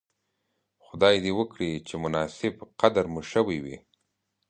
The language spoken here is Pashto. خدای دې وکړي چې مناسب قدر مو شوی وی.